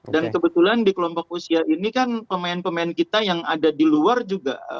dan kebetulan di kelompok usia ini kan pemain pemain kita yang ada di luar juga